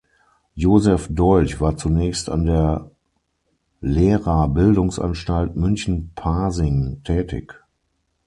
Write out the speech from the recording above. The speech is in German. Josef Dolch war zunächst an der Lehrerbildungsanstalt München-Pasing tätig.